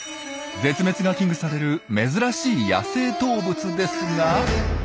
絶滅が危惧される珍しい野生動物ですが。